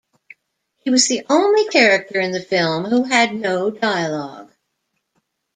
He was the only character in the film who had no dialogue.